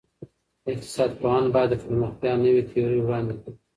اقتصاد پوهان باید د پرمختیا نوي تیورۍ وړاندې کړي.